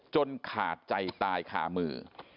ขาดใจตายขามือ